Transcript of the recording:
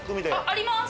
あります！